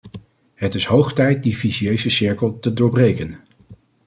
Het is hoog tijd die vicieuze cirkel te doorbreken.